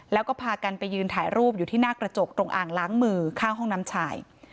แล้วก็พากันไปยืนถ่ายรูปอยู่ที่หน้ากระจกตรงอ่างล้างมือข้างห้องน้ำชาย